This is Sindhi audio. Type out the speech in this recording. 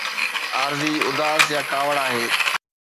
عارضي اداس يا ڪاوڙ آهي.